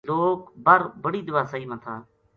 لوک بر بَڑی دیواسئی ما تھا